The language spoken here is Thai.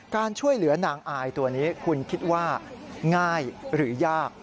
การช่วยเหลือนางอายตัวนี้คุณคิดว่าง่ายหรือยาก